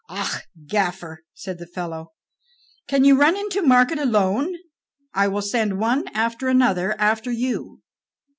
"Ah, gaffer," said the fellow, "can you run to market alone? I will send one after another after you."